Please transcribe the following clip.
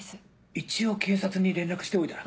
一応警察に連絡しておいたら？